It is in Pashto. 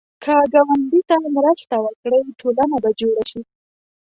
که ګاونډي ته مرسته وکړې، ټولنه به جوړه شي